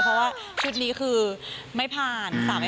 เพราะว่าชุดนี้คือไม่ผ่านทราบไม่ผ่าน